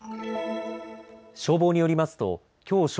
消防によりますときょう正